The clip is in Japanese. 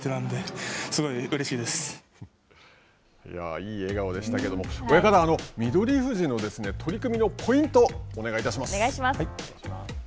いい笑顔でしたけど、親方、翠富士の取組のポイントをお願いします。